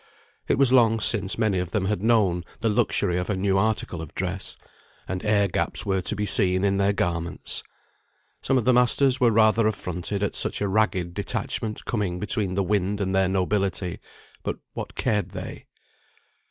It was long since many of them had known the luxury of a new article of dress; and air gaps were to be seen in their garments. Some of the masters were rather affronted at such a ragged detachment coming between the wind and their nobility; but what cared they?